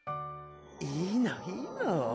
いいの、いいの。